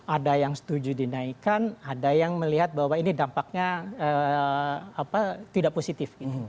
ada yang setuju dinaikkan ada yang melihat bahwa ini dampaknya tidak positif